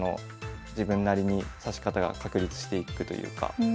自分なりに指し方が確立していくというか。